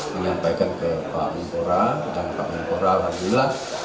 menyampaikan ke pak kemenpora dan pak kemenpora alhamdulillah